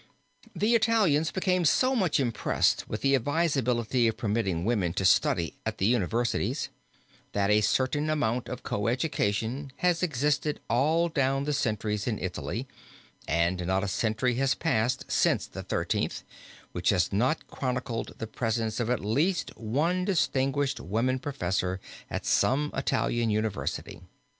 The Italians became so much impressed with the advisability of permitting women to study at the universities, that a certain amount of co education has existed all down the centuries in Italy and not a century has passed since the Thirteenth, which has not chronicled the presence of at least one distinguished woman professor at some Italian university.